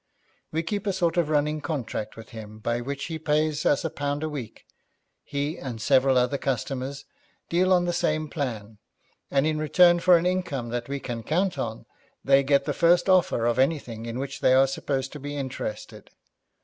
We keep a sort of running contract with him by which he pays us a pound a week. He and several other customers deal on the same plan, and in return for an income that we can count upon, they get the first offer of anything in which they are supposed to be interested.